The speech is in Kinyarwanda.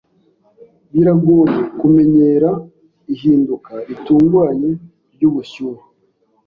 Biragoye kumenyera ihinduka ritunguranye ryubushyuhe.